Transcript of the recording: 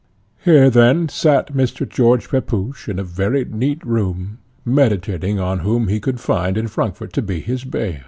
Here then sate Mr. George Pepusch in a very neat room, meditating on whom he could find in Frankfort to be his bail.